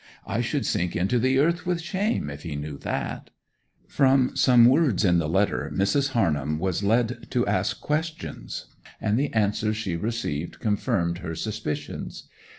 I should sink into the earth with shame if he knew that!' From some words in the letter Mrs. Harnham was led to ask questions, and the answers she received confirmed her suspicions.